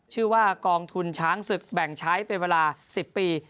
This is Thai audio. ชื่อว่ากองทุนช้างศึกแบ่งใช้เป็นเวลา๑๐ปี